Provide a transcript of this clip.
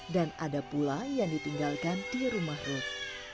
dan ada pula yang ditinggalkan di rumah ruth